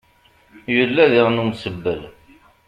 Yella diɣen umusebbel.